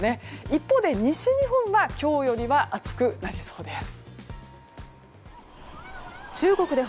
一方で西日本は今日よりは暑くなりそうです。